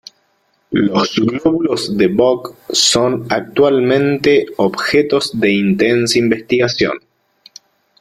Los glóbulos de Bok son actualmente objetos de intensa investigación.